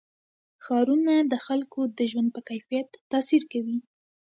ښارونه د خلکو د ژوند په کیفیت تاثیر کوي.